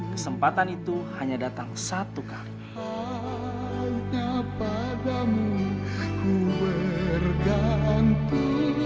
kesempatan itu hanya datang satu kali